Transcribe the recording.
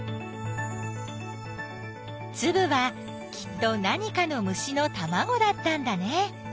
つぶはきっと何かの虫のたまごだったんだね！